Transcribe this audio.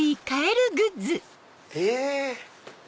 え